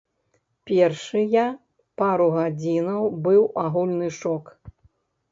Першыя пару гадзінаў быў агульны шок.